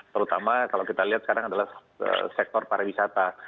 terutama kalau kita lihat sekarang adalah sektor pariwisata